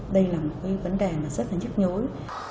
đây là một cái vấn đề rất là nhức nhối